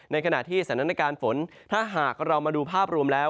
ในขณะที่สถานการณ์ฝนถ้าหากเรามาดูภาพรวมแล้ว